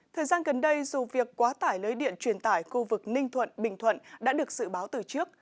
thời gian gần đây dù việc quá tải lưới điện truyền tải khu vực ninh thuận bình thuận đã được dự báo từ trước